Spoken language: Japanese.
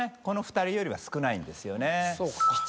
この２人よりは少ないんですよね。